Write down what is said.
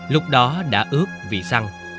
lúc đó đã ướt vì xăng